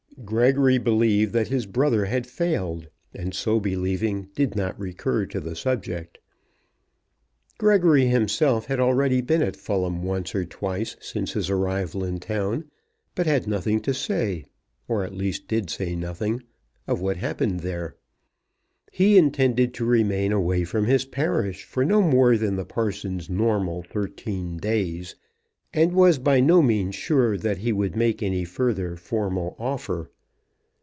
Gregory believed that his brother had failed, and so believing did not recur to the subject. Gregory himself had already been at Fulham once or twice since his arrival in town; but had nothing to say, or at least did say nothing, of what happened there. He intended to remain away from his parish for no more than the parson's normal thirteen days, and was by no means sure that he would make any further formal offer.